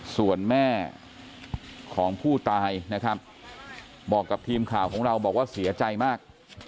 ส่วนแม่ของผู้ตายนะครับบอกกับทีมข่าวของเราบอกว่าเสียใจมาก